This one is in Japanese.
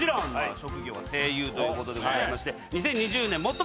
職業は声優ということでございまして。